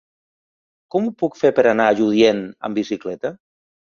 Com ho puc fer per anar a Lludient amb bicicleta?